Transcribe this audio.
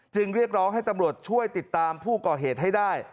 เรียกร้องให้ตำรวจช่วยติดตามผู้ก่อเหตุให้ได้